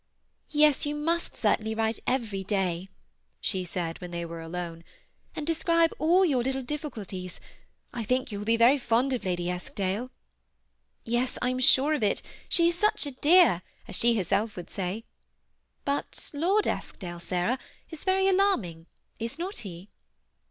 " Yes, you must certainly write every day,'* she said, when they were alone, ^' and describe all your little dif ficulties. I think you will be very fond of Lady Esk dale." '' Yes, I am sure of it ; she is ' such a dear,' as she would say herself. But Lord Eskdale, Sarah, is very alarming, is not he